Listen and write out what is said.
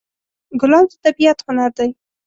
ګلاب د طبیعت هنر دی.